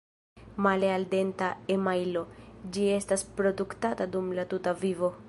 Male al denta emajlo, ĝi estas produktata dum la tuta vivo.